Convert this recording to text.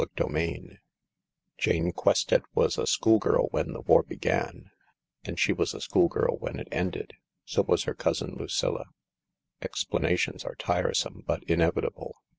CHAPTER II Jane Quested was a schoolgirl when the war began, and she was a schoolgirl when it ended. So was her cousin Lucilla. Explanations are tiresome, but inevitable.